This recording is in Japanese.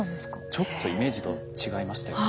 ちょっとイメージと違いましたよね。